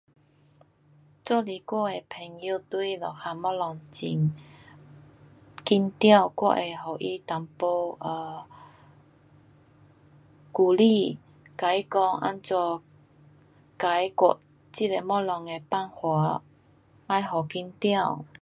若是我的朋友对啊东西很紧张。我会给他一点啊鼓励跟他讲怎样解决这个东西的办法。不好紧张。